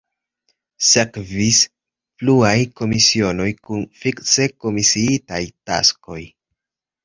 Sekvis pluaj komisionoj kun fikse komisiitaj taskoj.